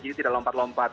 jadi tidak lompat lompat